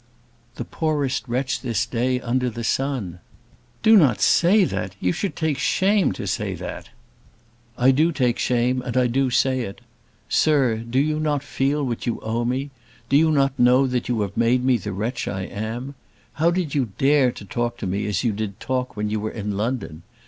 "The poorest wretch this day under the sun." "Do not say that. You should take shame to say that." "I do take shame; and I do say it. Sir, do you not feel what you owe me? Do you not know that you have made me the wretch I am? How did you dare to talk to me as you did talk when you were in London?